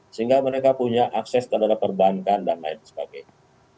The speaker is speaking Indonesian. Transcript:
sehingga mereka punya akses terhadap perbankan dan lain sebagainya